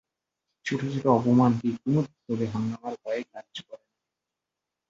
ছোট ছোট অপমান কি কুমুদ তবে হাঙ্গামার ভয়ে গ্রাহ্য করে না?